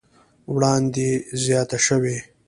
وړاندې زياته شوې